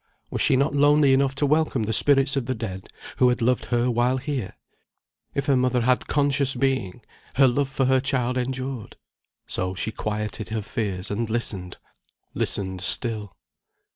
Was she not lonely enough to welcome the spirits of the dead, who had loved her while here? If her mother had conscious being, her love for her child endured. So she quieted her fears, and listened listened still.